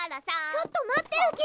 ちょっと待ってウキ！